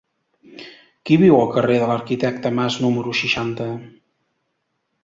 Qui viu al carrer de l'Arquitecte Mas número seixanta?